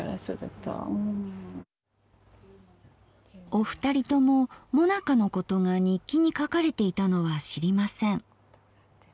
お二人とももなかのことが日記に書かれていたのは知りません。